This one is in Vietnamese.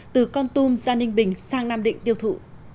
từ con tum ra ninh bình sang nam định tiêu thụ